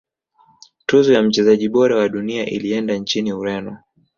tuzo ya mchezaji bora wa dunia ilienda nchini ureno